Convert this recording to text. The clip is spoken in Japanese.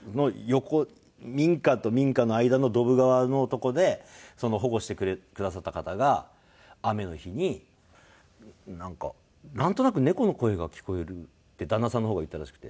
民家と民家の間のドブ川のとこでその保護してくださった方が雨の日になんか「なんとなく猫の声が聞こえる」って旦那さんの方が言ったらしくて。